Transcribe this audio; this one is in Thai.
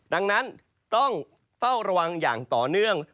ดังนั้นต้องเฝ้าระวังอย่างต่อเนื่อง